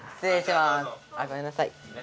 あごめんなさい。